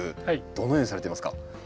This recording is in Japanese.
どのようにされていますか？